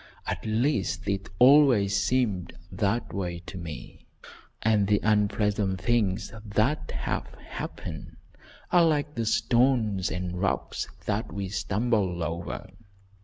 At least it always seemed that way to me, and the unpleasant things that have happened are like the stones and rocks that we stumble over.